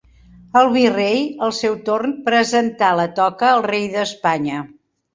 El virrei, al seu torn presentar la toca al Rei d'Espanya.